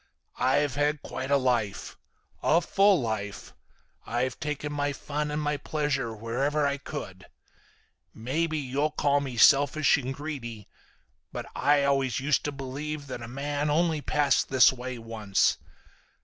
"I've had quite a life. A full life. I've taken my fun and my pleasure wherever I could. Maybe you'll call me selfish and greedy, but I always used to believe that a man only passed this way once.